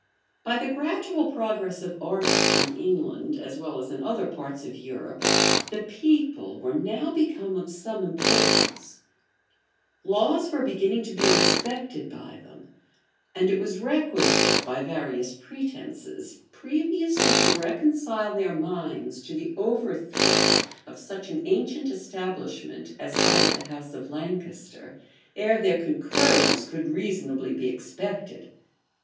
By the gradual progress of arts in England, as well as in other parts of Europe, the people were now become of some importance; laws were beginning to be respected by them; and it was requisite, by various pretences, previously to reconcile their minds to the overthrow of such an ancient establishment as that of the house of Lancaster, ere their concurrence could reasonably be expected.